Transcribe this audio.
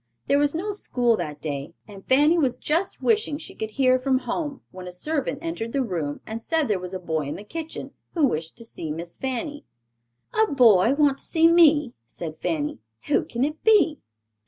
There was no school that day, and Fanny was just wishing she could hear from home when a servant entered the room and said there was a boy in the kitchen, who wished to see Miss Fanny. "A boy want to see me," said Fanny; "who can it be?"